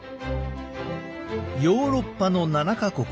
ヨーロッパの７か国